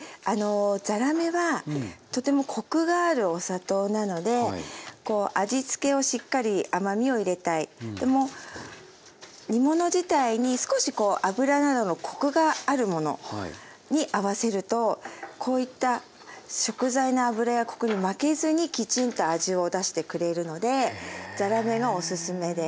ざらめはとてもコクがあるお砂糖なので味付けをしっかり甘みを入れたいでも煮物自体に少し脂などのコクがあるものに合わせるとこういった食材の脂やコクに負けずにきちんと味を出してくれるのでざらめがおすすめです。